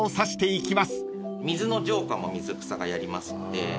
水の浄化も水草がやりますんで。